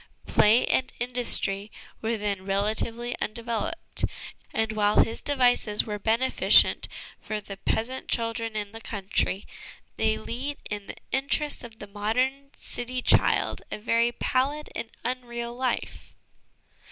Play and industry were then relatively undeveloped ; and while his devices were beneficent for the peasant children in the country, they lead in the interests of the modern city child a very pallid and unreal life."